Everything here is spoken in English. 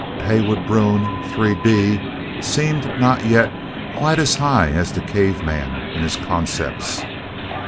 Heywood Broun, 3d, seemed not yet quite as high as the cavemen in his concepts.